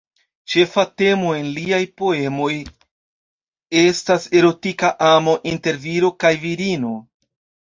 Ĉefa temo en liaj poemoj estas erotika amo inter viro kaj virino.